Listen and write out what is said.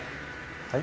はい。